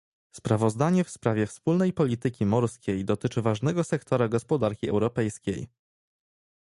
Sprawozdanie w sprawie wspólnej polityki morskiej dotyczy ważnego sektora gospodarki europejskiej